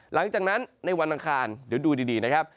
หลังจากนั้นในวันอังคารเดี๋ยวดูดีนะครับ